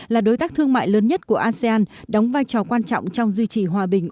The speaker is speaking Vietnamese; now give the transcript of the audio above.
là đối tác thương mại lớn nhất của asean đóng vai trò quan trọng trong duy trì hòa bình